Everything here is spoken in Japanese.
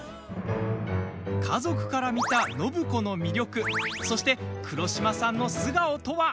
家族から見た暢子の魅力そして黒島さんの素顔とは？